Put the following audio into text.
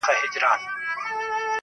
د ميني داغ ونه رسېدی.